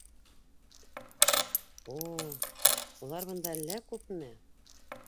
О, улар бында әллә күпме!